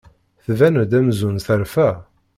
Tban-d amzun terfa.